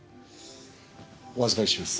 お預かりします。